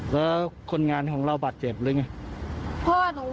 เขานั่งล้างจานอยู่ตรงนู้น